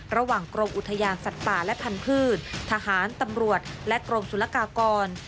ระหว่างกรมอุทยานสัตว์ป่าและพันธุ์ทหารตำรวจและกรมศุลกากร